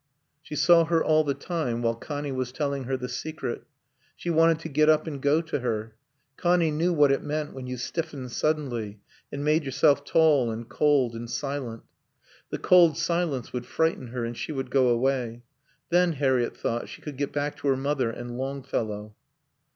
She saw her all the time while Connie was telling her the secret. She wanted to get up and go to her. Connie knew what it meant when you stiffened suddenly and made yourself tall and cold and silent. The cold silence would frighten her and she would go away. Then, Harriett thought, she could get back to her mother and Longfellow.